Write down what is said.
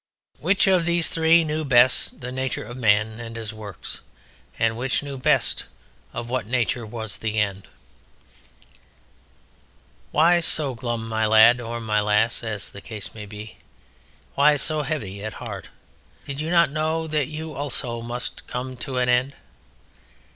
Which of these three knew best the nature of man and of his works, and which knew best of what nature was the end? Why so glum, my Lad, or my Lass (as the case may be), why so heavy at heart? Did you not know that you also must Come to an End?